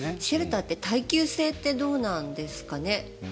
シェルターって耐久性ってどうなんですかね。